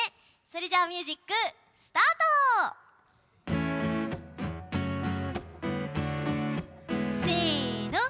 それじゃミユージックスタート！せの。